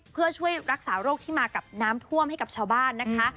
เพื่อช่วยรักษาโรคที่มากับน้ำท่วมให้กับชาวบ้านนะคะ